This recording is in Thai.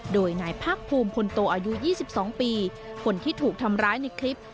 โดยนายภาคภูมิพลโตอายุ๒๒ปีคนที่ถูกทำร้ายในคลิป